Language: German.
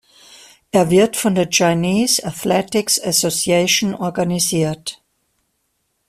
Er wird von der "Chinese Athletics Association" organisiert.